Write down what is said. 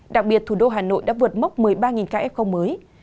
đặc biệt thủ đô hà nội đã vượt mốc một mươi ba ca f mới